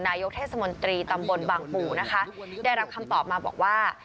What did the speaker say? นายกเทศมนตรีตำบลบางปู่นะคะได้รับคำตอบมาบอกว่า